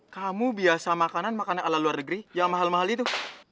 kamu biasa makanan makanan ala luar negeri yang mahal mahal itu